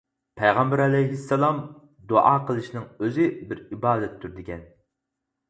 پەيغەمبەر ئەلەيھىسسالام: «دۇئا قىلىشنىڭ ئۆزى بىر ئىبادەتتۇر» دېگەن.